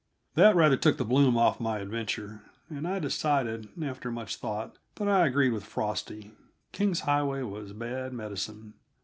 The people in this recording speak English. That rather took the bloom off my adventure, and I decided, after much thought, that I agreed with Frosty: King's Highway was bad medicine.